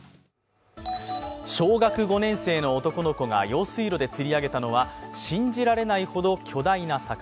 小学５年生の男の子が用水路で釣り上げたのは信じられないほど巨大な魚。